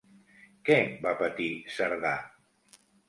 Què va patir Cerdà?